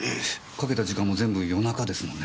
かけた時間も全部夜中ですもんね。